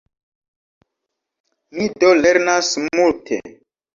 Mi do lernas multe.